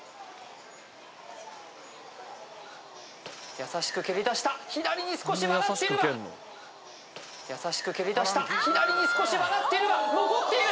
優しく蹴りだした左に少し曲がっているが優しく蹴りだした左に少し曲がっているが残っている！